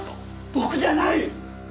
僕じゃない！